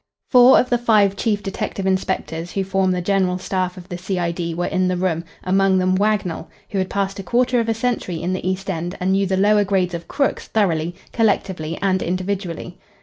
Four of the five chief detective inspectors who form the general staff of the C.I.D. were in the room, among them Wagnell, who had passed a quarter of a century in the East End and knew the lower grades of "crooks" thoroughly, collectively, and individually.